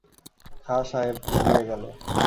খাঁ সাহেব চলিয়া গেল।